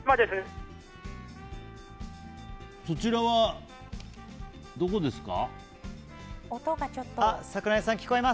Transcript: そちらはどこですか？